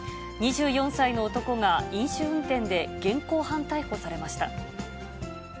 ２４歳の男が、飲酒運転で現行犯逮捕されました。